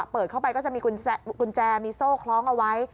เปิดเข้าไปก็จะมีกุญแจมีโซ่คล้องเอาไว้